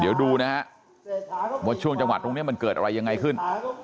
เดี๋ยวดูนะฮะว่าช่วงจังหวัดตรงนี้มันเกิดอะไรยังไงขึ้น